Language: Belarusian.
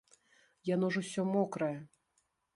Яно ж усё мокрае.